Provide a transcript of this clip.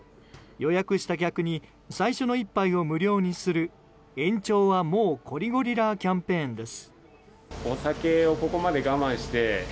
予約した客に最初の１杯を無料にする延長はもうこりゴリラーキャンペーンです。